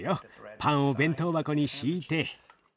パンを弁当箱にしいて。